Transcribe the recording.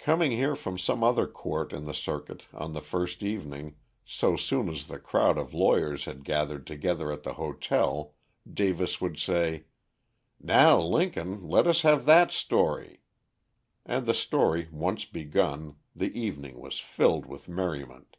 Coming here from some other court in the circuit on the first evening, so soon as the crowd of lawyers had gathered together at the hotel, Davis would say: "Now, Lincoln let us have that story" and the story once begun, the evening was filled with merriment.